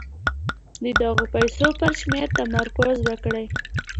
د دغو پيسو پر شمېر تمرکز وکړئ.